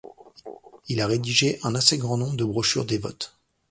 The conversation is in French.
Il a rédigé un assez grand nombre de brochures dévotes.